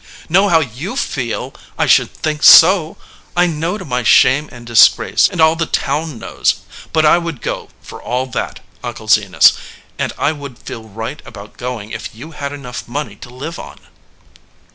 "Know How you feel! I should think so! I know to my shame and disgrace, and all the town knows. But I would go, for all that, Uncle Zenas, 216 BOTH CHEEKS and I would feel right about going if you had enough money to live on."